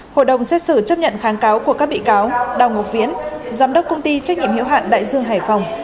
hội đồng xét xử chấp nhận kháng cáo của các bị cáo đào ngọc viễn giám đốc công ty trách nhiệm hiệu hạn đại dương hải phòng